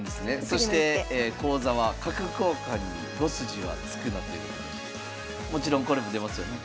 そして講座は「角交換に５筋は突くな」ということでもちろんこれも出ますよね。